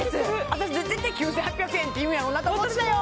私絶対９８００円って言うんやろうなと思ってたよ